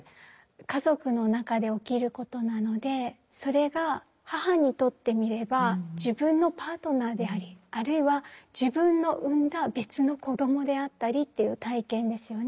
家族の中で起きることなのでそれが母にとってみれば自分のパートナーでありあるいは自分の産んだ別の子どもであったりという体験ですよね。